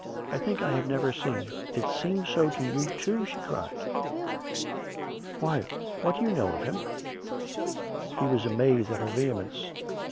I think I have never seen "" It seemed so to you too," she cried. " Why, what do you know of him.'' " He was amazed at her vehemence.